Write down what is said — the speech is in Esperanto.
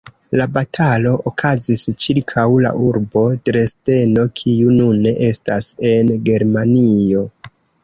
La batalo okazis ĉirkaŭ la urbo Dresdeno, kiu nune estas en Germanio.